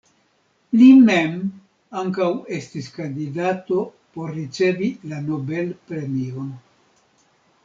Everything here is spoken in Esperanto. Li mem ankaŭ estis kandidato por ricevi la Nobel-premion.